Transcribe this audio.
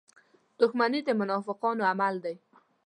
• دښمني د منافقانو عمل دی.